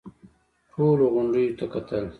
ټولو غونډيو ته کتل.